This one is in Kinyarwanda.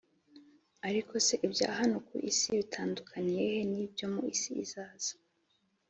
ariko se ibya hano ku isi bitandukaniye he n’ibyo mu isi izaza?